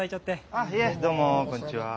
あっいえどうもこんにちは。